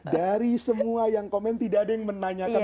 dari semua yang komen tidak ada yang menanyakan